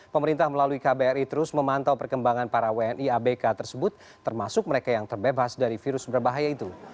pemerintah melalui kbri terus memantau perkembangan para wni abk tersebut termasuk mereka yang terbebas dari virus berbahaya itu